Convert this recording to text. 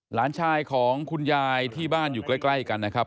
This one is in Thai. หลานชายของคุณยายที่บ้านอยู่ใกล้กันนะครับ